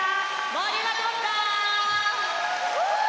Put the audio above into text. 盛り上がってますか？